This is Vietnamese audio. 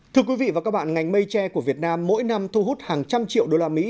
thưa quý vị và các bạn ngành mây tre của việt nam mỗi năm thu hút hàng trăm triệu đô la mỹ